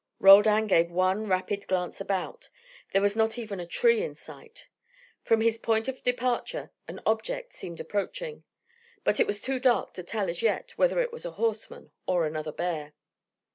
Roldan gave one rapid glance about. There was not even a tree in sight. From his point of departure an object seemed approaching, but it was too dark to tell as yet whether it was a horseman or another bear.